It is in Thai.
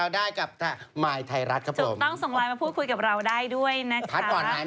อ้าววันนี้วันศุกร์แล้วฮุงคมเริ่มคล่องแล้วนะ